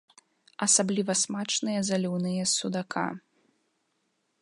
Асабліва смачныя заліўныя з судака.